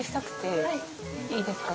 いいですか？